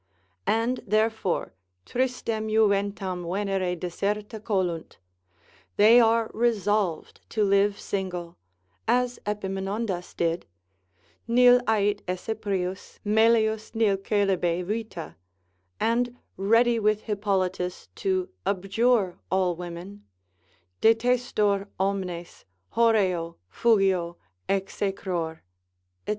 And therefore, Tristem Juventam venere deserta colunt, they are resolved to live single, as Epaminondas did, Nil ait esse prius, melius nil coelibe vita, and ready with Hippolitus to abjure all women, Detestor omnes, horreo, fugio, execror, &c.